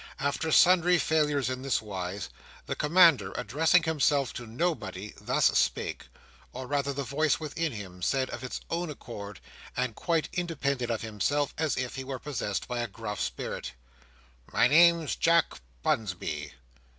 After sundry failures in this wise, the Commander, addressing himself to nobody, thus spake; or rather the voice within him said of its own accord, and quite independent of himself, as if he were possessed by a gruff spirit: "My name's Jack Bunsby!"